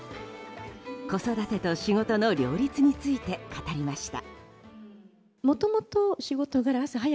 子育てと仕事の両立について語りました。